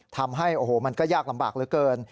ทำให้โอ้โหมันก็ยากลำบากเหลือเกิน